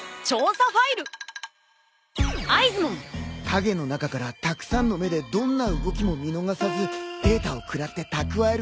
影の中からたくさんの目でどんな動きも見逃さずデータを食らって蓄えるんだ。